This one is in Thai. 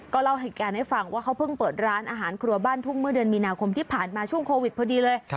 เล่าเหตุการณ์ให้ฟังว่าเขาเพิ่งเปิดร้านอาหารครัวบ้านทุ่งเมื่อเดือนมีนาคมที่ผ่านมาช่วงโควิดพอดีเลย